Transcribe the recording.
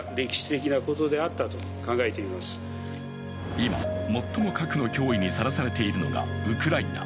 今最も核の脅威にさらされているのがウクライナ。